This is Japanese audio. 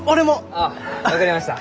あっ分かりました。